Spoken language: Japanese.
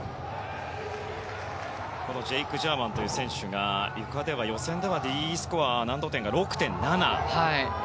ジェイク・ジャーマンという選手がゆかでは予選ではＤスコア難度点が６．７。